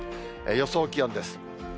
予想気温です。